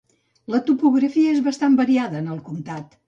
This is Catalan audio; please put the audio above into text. La topografia és bastant variada en el comtat.